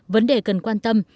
vấn đề cần quan tâm